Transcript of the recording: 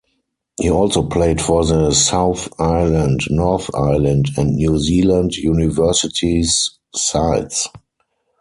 He also played for the South Island, North Island, and New Zealand Universities sides.